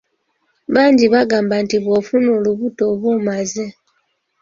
Bangi bagamba nti bw’ofuna olubuto oba omumaze.